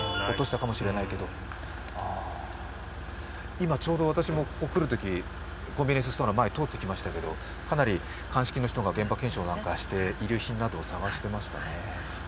今、ちょうど私もここに来るときにコンビニエンスストア前を通ってきましたけど、かなり鑑識の人が現場検証などして、遺留品などを捜してましたね。